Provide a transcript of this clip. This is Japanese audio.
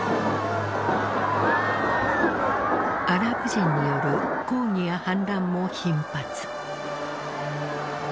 アラブ人による抗議や反乱も頻発。